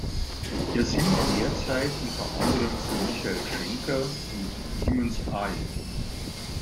Er singt zurzeit unter anderem für Michael Schenker und Demon’s Eye.